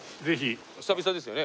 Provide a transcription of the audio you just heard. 久々ですよね？